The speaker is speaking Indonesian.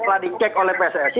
setelah dicek oleh pssi